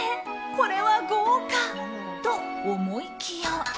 これは豪華！と思いきや。